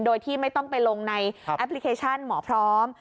โดยที่ไม่ต้องไปลงในแอปพลิเคชันหมอพร้อม